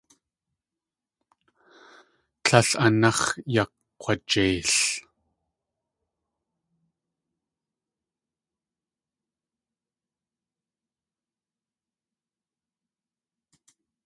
Tlél anax̲ yakg̲wajeil.